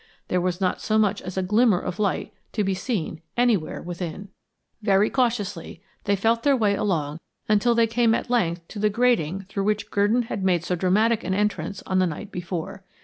There was not so much as a glimmer of light to be seen anywhere within. Very cautiously they felt their way along until they came at length to the grating through which Gurdon had made so dramatic an entrance on the night before.